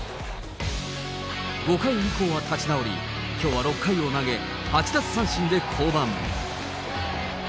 ５回以降は立ち直り、きょうは６回を投げ、８奪三振で降板。